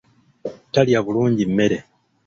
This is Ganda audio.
Talya bulungi mmere.